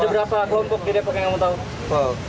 ada berapa kelompok di depok yang kamu tahu